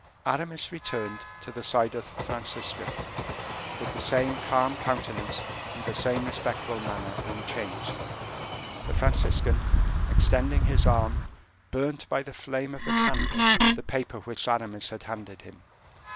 Aramis returned to the side of the Franciscan, with the same calm countenance and the same respectful manner, unchanged. The Franciscan, extending his arm, burnt by the flame of the candle the paper which Aramis had handed him.